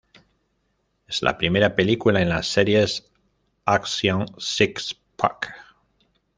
Es la primera película en las series "Action Six-Pack".